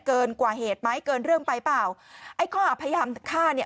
เกินกว่าเหตุไหมเกินเรื่องไปเปล่าไอ้ข้อหาพยายามฆ่าเนี่ย